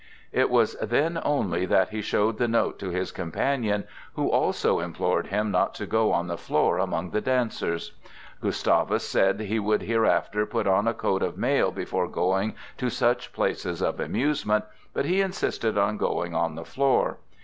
It was then only that he showed the note to his companion, who also implored him not to go on the floor among the dancers. Gustavus said he would hereafter put on a coat of mail before going to such places of amusement, but he insisted on going on the floor.